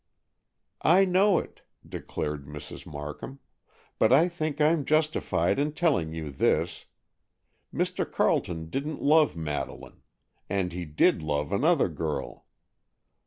"I know it," declared Mrs. Markham, "but I think I'm justified in telling you this. Mr. Carleton didn't love Madeleine, and he did love another girl.